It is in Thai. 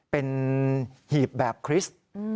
เป็นหีบแบบคริสต์